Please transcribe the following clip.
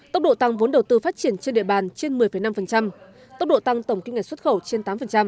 tốc độ tăng vốn đầu tư phát triển trên địa bàn trên một mươi năm tốc độ tăng tổng kinh ngạch xuất khẩu trên tám